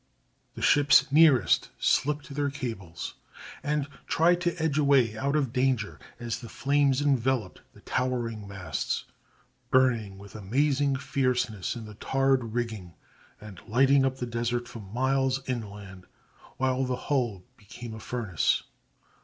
The ships nearest slipped their cables, and tried to edge away out of danger as the flames enveloped the towering masts, burning with amazing fierceness in the tarred rigging and lighting up the desert for miles inland, while the hull became a furnace.